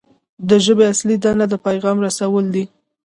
د ژبې اصلي دنده د پیغام رسول دي.